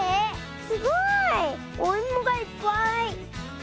すごい。おいもがいっぱい。